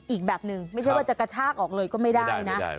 อีกแบบหนึ่งไม่ใช่ว่าจะกระชากออกเลยก็ไม่ได้นะ